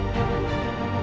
mas ini udah selesai